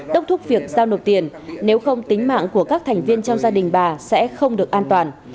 đốc thúc việc giao nộp tiền nếu không tính mạng của các thành viên trong gia đình bà sẽ không được an toàn